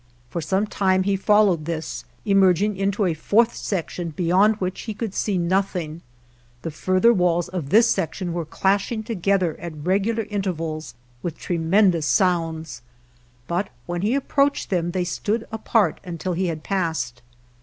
For some time he followed this, emerging into a fourth section beyond which he could see nothing: the further walls of this section were clashing together at regular intervals with tremendous sounds, but when he approached them they stood apart until he had passed.